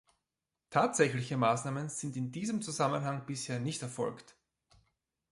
Tatsächliche Maßnahmen sind in diesem Zusammenhang bisher nicht erfolgt.